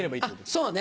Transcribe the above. そうね。